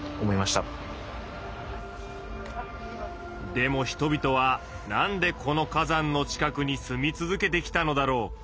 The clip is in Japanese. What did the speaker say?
でも人々は何でこの火山の近くに住み続けてきたのだろう。